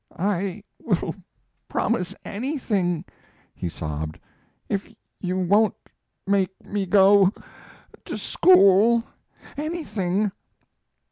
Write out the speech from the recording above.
"I will promise anything," he sobbed, "if you won't make me go to school! Anything!"